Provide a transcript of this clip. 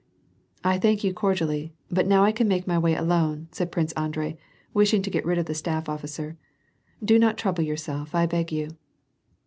" I thank you cordially, but now I can make my way alone," said Prince Andrei, wishing to get rid of the staff officer. " Do not trouble yourself, I beg of you."